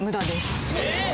えっ？